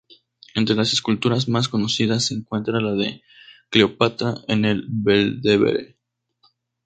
Entre las esculturas más conocidas, se encuentra la de "Cleopatra" en el Belvedere.